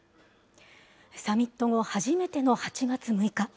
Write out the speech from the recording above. サミット後、初めての８月６日。